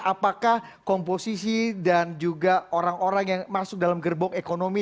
apakah komposisi dan juga orang orang yang masuk dalam gerbong ekonomi